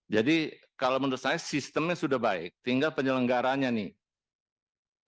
jadi kalau menurut saya sistemnya sudah baik tinggal penyelenggaranya nih